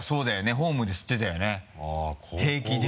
ホームで吸ってたよね平気で。